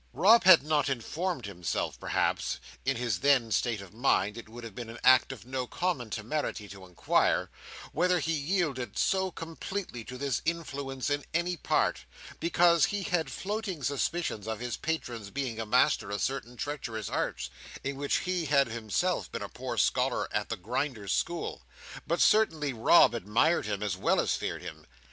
Rob had not informed himself perhaps—in his then state of mind it would have been an act of no common temerity to inquire—whether he yielded so completely to this influence in any part, because he had floating suspicions of his patron's being a master of certain treacherous arts in which he had himself been a poor scholar at the Grinders' School. But certainly Rob admired him, as well as feared him.